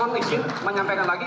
nist menyampaikan lagi